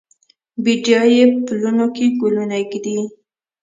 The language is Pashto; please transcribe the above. بیدیا یې پلونو کې ګلونه ایږدي